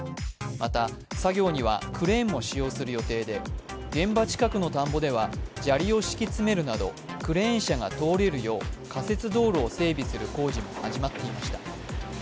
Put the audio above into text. また、作業にはクレーンも使用する予定で現場近くの田んぼでは砂利を敷き詰めるなどクレーン車が通れるよう仮設道路を整備する工事も始まっていました。